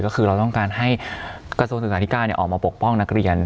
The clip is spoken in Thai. ก็คือเราต้องการให้กระทรวงศึกษาธิการออกมาปกป้องนักเรียน